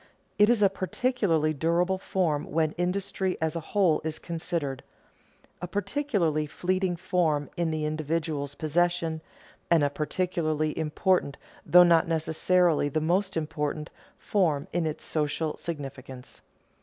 It is a particularly durable form when industry as a whole is considered, a particularly fleeting form in the individual's possession, and a particularly important, though not necessarily the most important, form in its social significance.